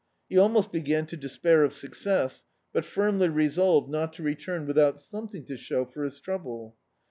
He almost began to despair of success, but firmly re solved not to return without something to show for his trouble.